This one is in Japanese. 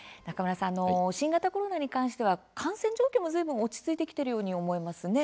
新型コロナに関しては感染状況もずいぶん落ち着いてきているように思いますね。